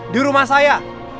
di rumah saya